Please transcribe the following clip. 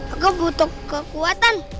aku butuh kekuatan